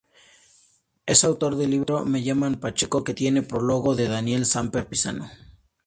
Es autor del libro "Me llaman Pacheco", que tiene prólogo de Daniel Samper Pizano.